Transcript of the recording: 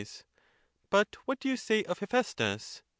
But what do you say of Hephaestus?